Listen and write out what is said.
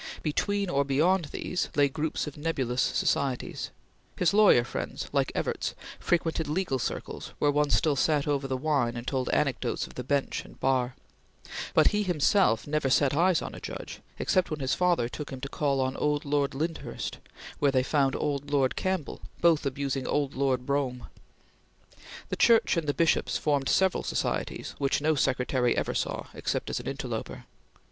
Between or beyond these lay groups of nebulous societies. His lawyer friends, like Evarts, frequented legal circles where one still sat over the wine and told anecdotes of the bench and bar; but he himself never set eyes on a judge except when his father took him to call on old Lord Lyndhurst, where they found old Lord Campbell, both abusing old Lord Brougham. The Church and the Bishops formed several societies which no secretary ever saw except as an interloper.